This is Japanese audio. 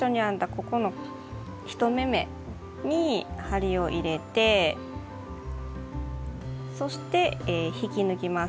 ここの１目めに針を入れてそして引き抜きます。